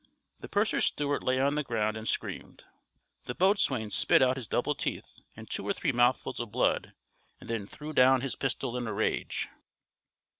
The purser's steward lay on the ground and screamed; the boatswain spit out his double teeth and two or three mouthfuls of blood, and then threw down his pistol in a rage.